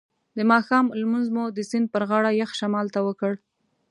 د ماښام لمونځ مو د سیند پر غاړه یخ شمال ته وکړ.